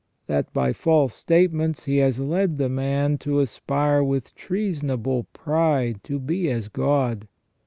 That, by false statements, he has led the man to aspire with treasonable pride to be as God.